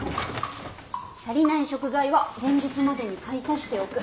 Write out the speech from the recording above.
足りない食材は前日までに買い足しておく。